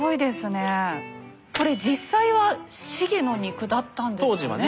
これ実際は鴫の肉だったんですかね。